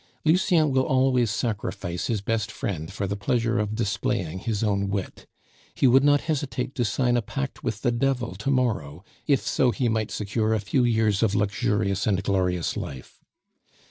Lucien will always sacrifice his best friend for the pleasure of displaying his own wit. He would not hesitate to sign a pact with the Devil to morrow if so he might secure a few years of luxurious and glorious life.